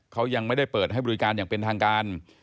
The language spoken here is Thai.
เขายังไม่ได้เปิดให้บริการอย่างเป็นทางการ